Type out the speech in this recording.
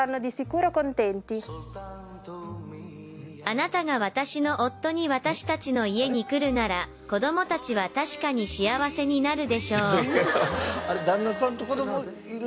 「あなたが私の夫に私たちの家に来るなら子供たちは確かに幸せになるでしょう」